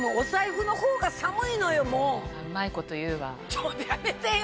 ちょっとやめてよ。